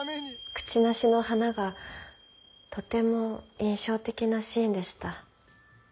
クチナシの花がとても印象的なシーンでした。